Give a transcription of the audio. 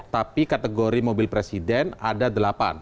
tapi kategori mobil presiden ada delapan